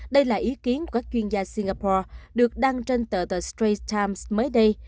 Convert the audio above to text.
đây là ý kiến của các chuyên gia singapore được đăng trên tờ the straits times mới đây